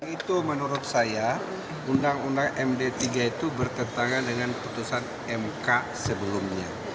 itu menurut saya undang undang md tiga itu bertentangan dengan putusan mk sebelumnya